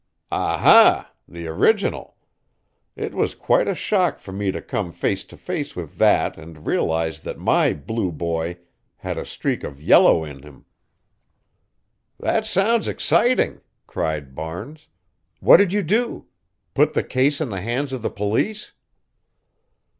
"Ah ha! the original. It was quite a shock for me to come face to face with that and realize that my 'Blue Boy' had a streak of yellow in him." "That sounds exciting," cried Barnes. "What did you do? Put the case in the hands of the police?"